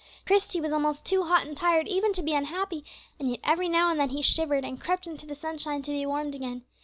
Christie was almost too hot and tired even to be unhappy, and yet every now and then he shivered, and crept into the sunshine to be warmed again.